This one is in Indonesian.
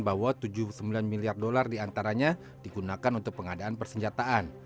bahwa tujuh puluh sembilan miliar dolar diantaranya digunakan untuk pengadaan persenjataan